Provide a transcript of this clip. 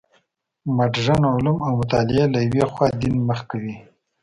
مډرن علوم او مطالعې له یوې خوا دین مخ کوي.